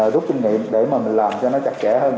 rút kinh nghiệm để mà mình làm cho nó chặt chẽ hơn